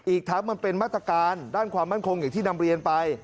อีกทั้งมันเป็นมาตรการด้านความมั่นคงอย่างที่นำเรียนไป